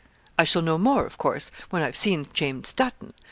I shall know more, of course, when I've seen James Dutton.